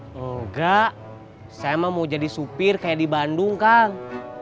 enggak saya mau jadi supir kayak di bandung kang